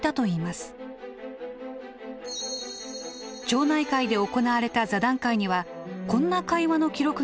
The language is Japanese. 町内会で行われた座談会にはこんな会話の記録が残っていました。